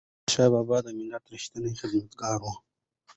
احمدشاه بابا د ملت ریښتینی خدمتګار و.